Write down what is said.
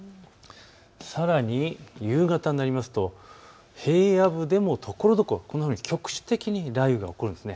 さらに夕方になると、平野部でもところどころ局地的に雷雨が起こるんです。